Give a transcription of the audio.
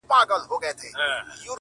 چي آدم نه وو; چي جنت وو دنيا څه ډول وه;